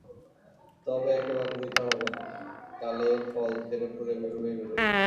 তবে একেবারে বৃথা হবে না, কালে এর ফল তেড়েফুঁড়ে বেরুবেই বেরুবে।